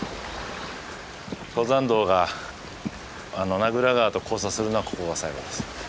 登山道が名蔵川と交差するのはここが最後です。